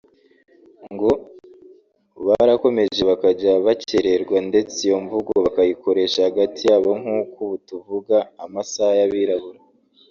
ngo barakomeje bakajya bakererwa ndetse iyo mvugo bakayikoresha hagati yabo nk’uko ubu tuvuga “amasaha y’Abirabura”